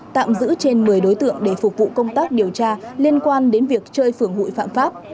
tạm giữ trên một mươi đối tượng để phục vụ công tác điều tra liên quan đến việc chơi phường hụi phạm pháp